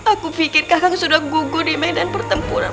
aku pikir kakak sudah gugur di medan pertempuran